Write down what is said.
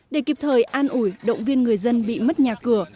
để kịp thời an ủi động viên người dân bị mất nhà cửa